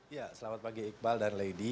ya selamat pagi iqbal dan lady